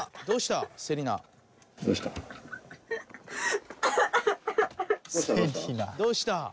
どうした？